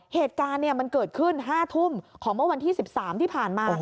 เหตุการณ์มันเกิดขึ้น๕ทุ่มของเมื่อวันที่๑๓ที่ผ่านมา